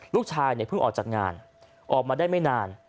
ลูกชายเนี่ยเพิ่งออกจากงานออกมาได้ไม่นาน